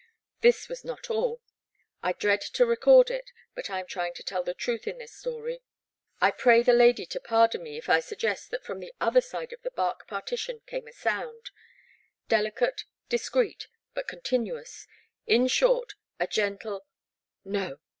This was not all. I dread to record it, but I am trying to tell the truth in this story — I pray the lady to pardon me if I suggest that from the other side of the bark partition came a sound, — delicate, discreet, but continuous, in short, a gentle — ^no